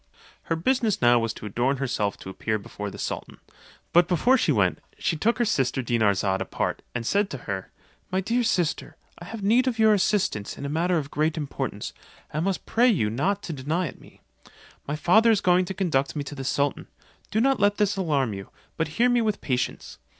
Her business now was to adorn herself to appear before the sultan; but before she went, she took her sister Dinarzade apart, and said to her, "My dear sister, I have need of your assistance in a matter of great importance, and must pray you not to deny it me. My father is going to conduct me to the sultan; do not let this alarm you, but hear me with patience.